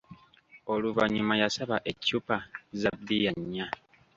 Oluvannyuma yasaba eccupa za bbiya nnya.